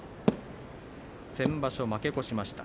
先場所は負け越しました。